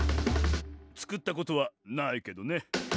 「つくったことはないけどね」